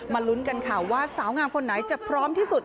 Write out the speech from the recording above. ลุ้นกันค่ะว่าสาวงามคนไหนจะพร้อมที่สุด